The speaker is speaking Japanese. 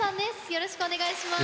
よろしくお願いします。